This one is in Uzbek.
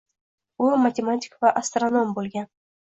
U matematik va astronom boʻlgan.